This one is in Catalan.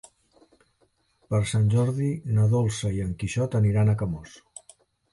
Per Sant Jordi na Dolça i en Quixot aniran a Camós.